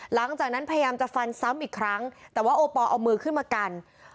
หลังจากนั้นพยายามจะฟันซ้ำอีกครั้งแต่ว่าโอปอลเอามือขึ้นมากัน